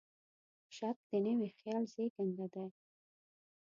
شک د نوي خیال زېږنده دی.